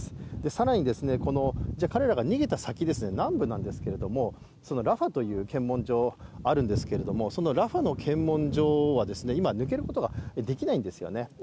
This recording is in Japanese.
更に彼らが逃げた先、南部なんですけれどもラファという検問所があるんですけれどもそのラファの検問所は今、抜けることができないんですよね。